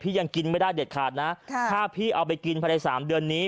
ยังกินไม่ได้เด็ดขาดนะถ้าพี่เอาไปกินภายใน๓เดือนนี้